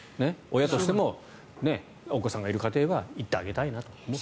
親としてもお子さんがいる家庭は行ってあげたいなと。